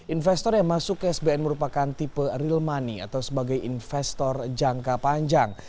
investor yang masuk ke sbn merupakan tipe real money atau sebagai investor jangka panjang